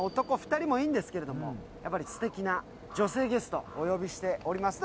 ２人もいいんですけれどもやっぱりすてきな女性ゲストお呼びしております